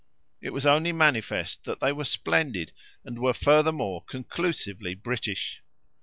It was only manifest they were splendid and were furthermore conclusively British.